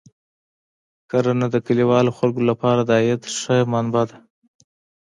کرنه د کلیوالو خلکو لپاره د عاید ښه منبع ده.